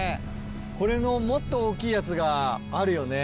これのもっと大きいやつがあるよね。